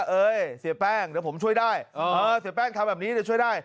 เอ้ยเสียแป้งเดี๋ยวผมช่วยได้เสียแป้งทำแบบนี้เดี๋ยวช่วยได้